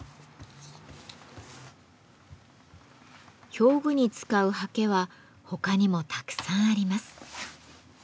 表具に使う刷毛は他にもたくさんあります。